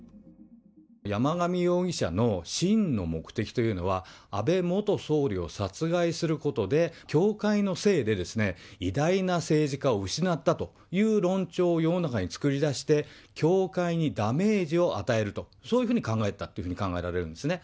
山上容疑者の真の目的というのは、安倍元総理を殺害することで、教会のせいで、偉大な政治家を失ったという論調を世の中に作り出して、教会にダメージを与えると、そういうふうに考えたっていうふうに考えられるんですね。